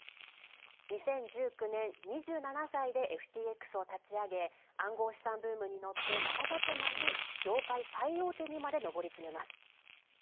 ２０１９年、２７歳でＦＴＸを立ち上げ暗号資産ブームに乗って瞬く間に業界最大手にまで上り詰めます。